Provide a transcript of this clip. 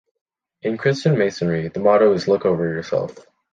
In Christian masonry the motto is “Look over yourself”.